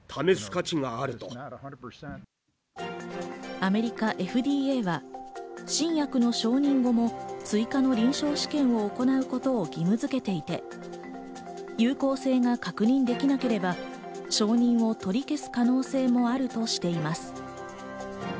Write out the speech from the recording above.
アメリカ、ＦＤＡは新薬の承認後も追加の臨床試験を行うことを義務づけていて、有効性が確認できなければ承認を取り消す可能性もあるとしています。